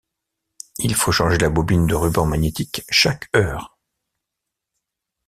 Il faut changer la bobine de ruban magnétique chaque heure.